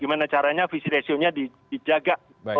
gimana caranya visi ratio nya dijaga